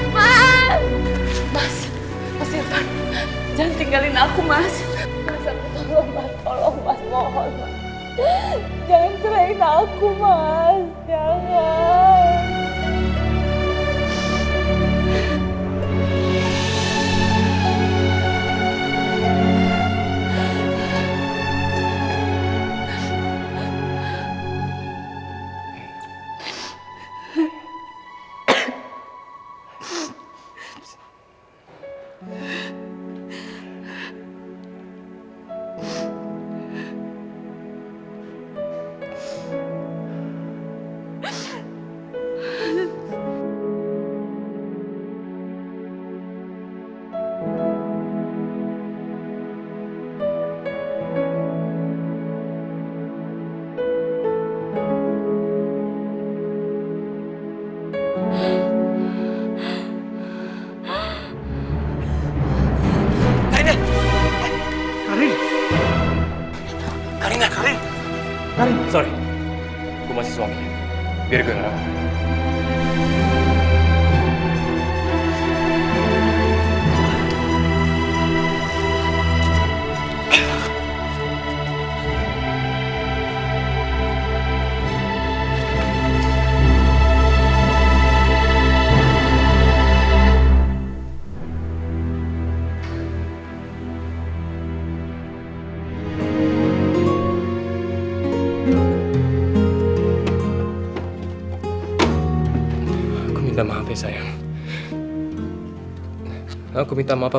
mas jangan mencerahkan aku mas